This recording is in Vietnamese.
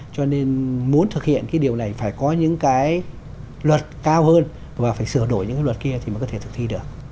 cho nên muốn thực hiện cái điều này phải có những cái luật cao hơn và phải sửa đổi những cái luật kia thì mới có thể thực thi được